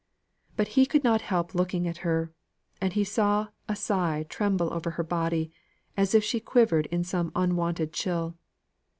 But he could not help looking at her, and he saw a sigh tremble over her body, as if she quivered in some unwonted chill.